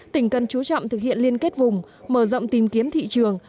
tỉnh cần chú trọng thực hiện liên kết vùng mở rộng tìm kiếm thị trường